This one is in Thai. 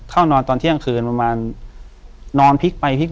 อยู่ที่แม่ศรีวิรัยิลครับ